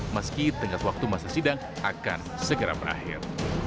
meski tengah waktu masa sidang akan segera berakhir